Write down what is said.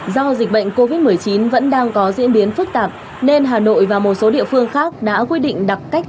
do dịch bệnh covid một mươi chín vẫn đang có diễn biến phức tạp nên hà nội và một số địa phương khác đã quyết định đặt cách